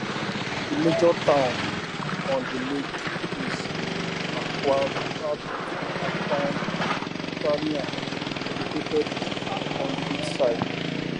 The major town on the lake is Aquitania, located on its eastern side.